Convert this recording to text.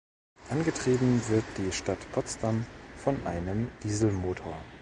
Angetrieben wird die "Stadt Potsdam" von einem Dieselmotor.